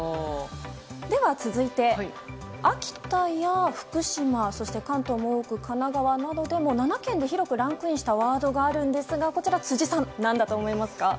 では続いて、秋田や福島そして関東も多く神奈川などでも７県で広くランクインしたワードがあるんですが辻さん、何だと思いますか？